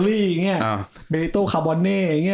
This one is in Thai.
นี่เนี้ยอ้าวโอ้โหค่อยเก่ามาก